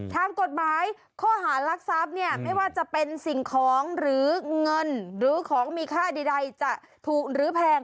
ทางกฎหมายข้อหารักทรัพย์เนี่ยไม่ว่าจะเป็นสิ่งของหรือเงินหรือของมีค่าใดจะถูกหรือแพง